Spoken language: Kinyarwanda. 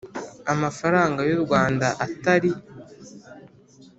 amafaranga y u Rwanda atari